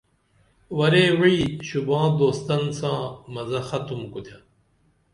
ورے وعی شوباں دوستن ساں مزہ ختم کُتھے